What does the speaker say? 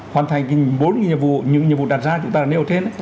hoàn thành bốn nhiệm vụ những nhiệm vụ đặt ra chúng ta nêu trên